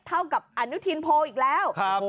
เท่ากับอนุทินโพลอีกแล้ว